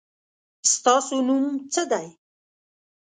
ستاسو نوم څه دی ؟